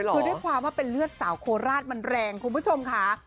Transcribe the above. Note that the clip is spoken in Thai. คือด้วยความว่าเป็นเลือดสาวโคราชมันแรงคุณผู้ชมค่ะ